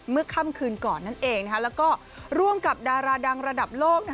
ค่ำคืนก่อนนั่นเองแล้วก็ร่วมกับดาราดังระดับโลก